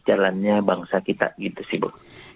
jalannya bangsa kita gitu sih bu